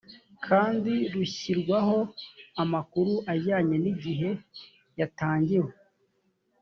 kandi rushyirwaho amakuru ajyanye n igihe yatangiwe